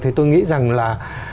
thì tôi nghĩ rằng là